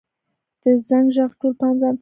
د زنګ ږغ ټول پام ځانته را اړوي.